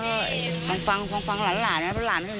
ก็ฟังฟังฟังฟังฟังฟังฟังฟังฟังฟังฟังฟังฟัง